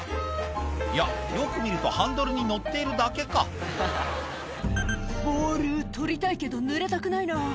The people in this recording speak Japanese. いやよく見るとハンドルに乗っているだけか「ボール取りたいけどぬれたくないな」